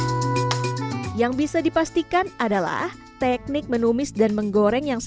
warga pesisir mulai mengenal teknik menumis dan menggoreng pada abad kelima ketika masyarakat tionghoa melakukan ekspansi perdagangan ke nusantara